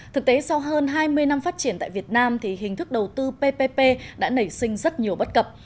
thực tế sau hơn hai mươi năm phát triển tại việt nam thì hình thức đầu tư ppp đã nảy sinh rất nhiều bất cập